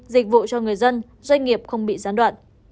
dịch vụ cho người dân doanh nghiệp không bị gián đoạn